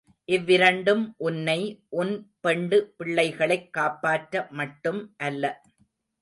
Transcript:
இவ்விரண்டும் உன்னை, உன் பெண்டு பிள்ளைகளைக் காப்பாற்ற மட்டும் அல்ல.